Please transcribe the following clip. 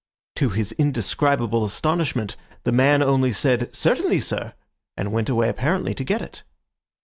To his indescribable astonishment, the man only said "Certainly, sir!" and went away apparently to get it.